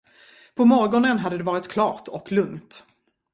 På morgonen hade det varit klart och lugnt.